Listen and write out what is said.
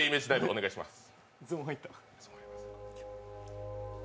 お願いします。